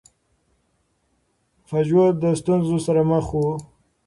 پژو د ستونزو سره مخ و.